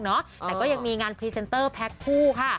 แต่ก็ยังมีงานพรีเซนเตอร์แพ็คคู่ค่ะ